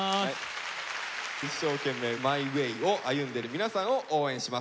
一生懸命Ｍｙｗａｙを歩んでる皆さんを応援します。